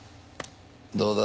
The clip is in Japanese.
どうだ？